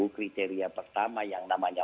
kriteria pertama yang namanya